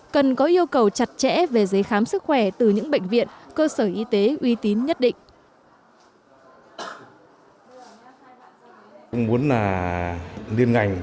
cần có yêu cầu chặt chẽ về giấy khám sức khỏe từ những bệnh viện cơ sở y tế uy tín nhất định